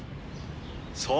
そう。